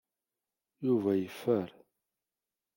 Yuba yeffer.